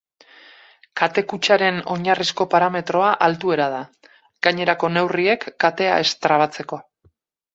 Kate-kutxaren oinarrizko parametroa altuera da, gainerako neurriek, katea ez trabatzeko.